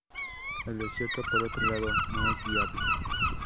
El desierto por otro lado no es viable.